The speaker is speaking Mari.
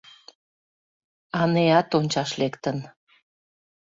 Анэат ончаш лектын.